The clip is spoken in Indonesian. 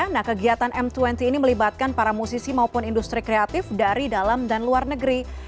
nah kegiatan m dua puluh ini melibatkan para musisi maupun industri kreatif dari dalam dan luar negeri